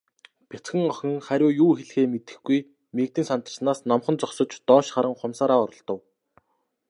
Бяцхан охин хариу юу хэлэхээ мэдэхгүй, мэгдэн сандарснаас номхон зогсож, доош харан хумсаараа оролдов.